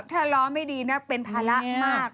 ถ้าล้อไม่ดีนักเป็นภาระมาก